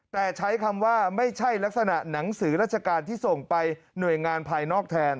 แต่ใช้คำว่าไม่ใช่ลักษณะหนังสือราชการที่ส่งไปหน่วยงานภายนอกแทน